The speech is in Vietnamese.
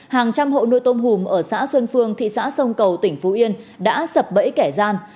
hàng trăm hộ nuôi tôm hùm ở xã xuân phương thị xã sông cầu tỉnh phú yên đã sập bẫy kẻ gian